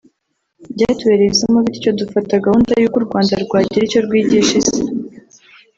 byatubereye isomo bityo dufata gahunda y’uko u Rwanda rwagira icyo rwigisha Isi